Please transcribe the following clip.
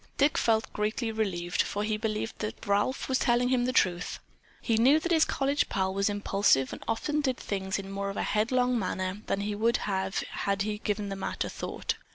Dick felt greatly relieved, for he believed that Ralph was telling him the truth. He knew that his college pal was impulsive and often did things in more of a headlong manner than he would had he given the matter thought.